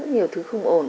nhiều thứ không ổn